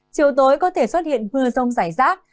chiều tối có thể xuất hiện mưa rông rải rác